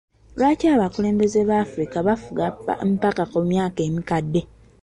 Lwaki abakulembeze ba Africa bafuga mpaka ku myaka emikadde?